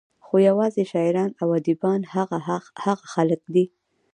خو يوازې شاعران او اديبان هغه خلق دي